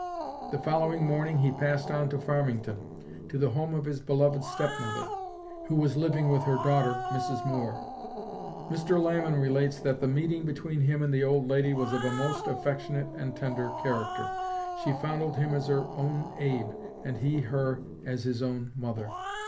The following morning he passed on to Farmington, to the home of his beloved step mother, who was living with her daughter, Mrs. Moore. Mr. Lamon relates that "the meeting between him and the old lady was of a most affectionate and tender character. She fondled him as her own 'Abe,' and he her as his own mother.